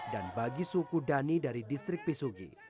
dan bagi suku dani dari distrik pisugi